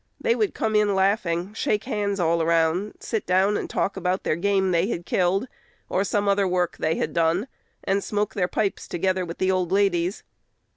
They would come in laughing, shake hands all around, sit down and talk about their game they had killed, or some other work they had done, and smoke their pipes together with the old ladies.